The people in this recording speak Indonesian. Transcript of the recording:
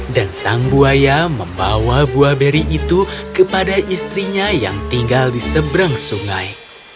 dan sang buaya membawa buah beri itu kepada istrinya yang tinggal di seberang sungai